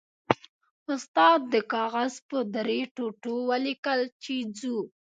استاد د کاغذ په درې ټوټو ولیکل چې ځو.